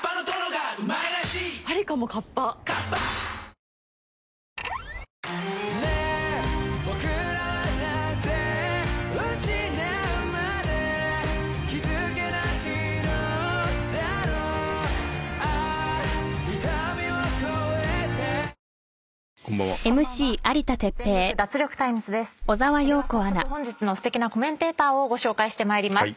では早速本日のすてきなコメンテーターをご紹介してまいります。